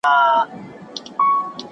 چغه چې پورته کړم د ظلم خــــــــلاف